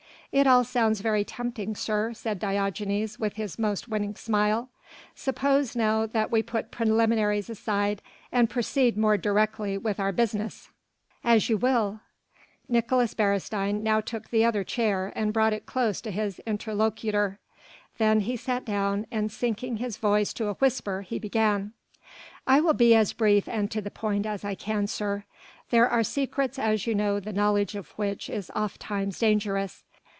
"It all sounds very tempting, sir," said Diogenes with his most winning smile, "suppose now that we put preliminaries aside and proceed more directly with our business." "As you will." Nicolaes Beresteyn now took the other chair and brought it close to his interlocutor. Then he sat down and sinking his voice to a whisper he began: "I will be as brief and to the point as I can, sir. There are secrets as you know the knowledge of which is oft times dangerous.